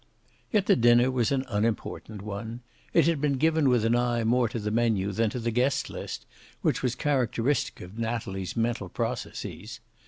Yet the dinner was an unimportant one. It had been given with an eye more to the menu than to the guest list, which was characteristic of Natalie's mental processes.